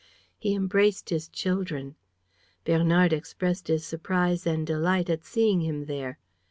He embraced his children. Bernard expressed his surprise and delight at seeing him there.